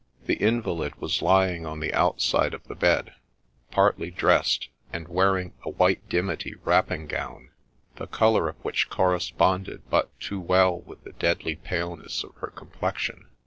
' The invalid was lying on the outside of the bed, partly dressed, and wearing a white dimity wrapping gown, the colour of which corresponded but too well with the deadly paleness of her complexion.